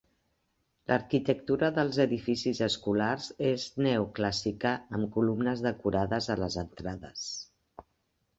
L'arquitectura dels edificis escolars és neoclàssica, amb columnes decorades a les entrades.